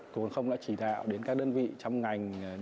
cục hàng không đã chỉ đạo đến các đơn vị trong ngành